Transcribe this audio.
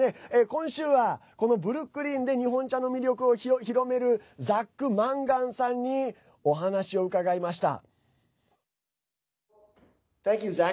今週は、このブルックリンで日本茶の魅力を広めるザック・マンガンさんにお話を伺いました。